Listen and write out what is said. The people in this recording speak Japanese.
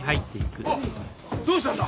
おっどうしたんだ！？